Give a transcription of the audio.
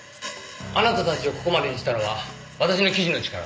あなたたちをここまでにしたのは私の記事の力だ。